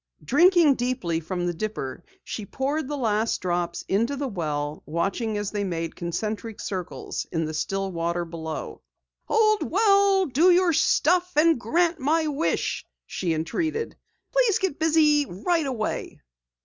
Drinking deeply from the dipper, she poured the last drops into the well, watching as they made concentric circles in the still water below. "Old well, do your stuff and grant my wish," she entreated. "Please get busy right away."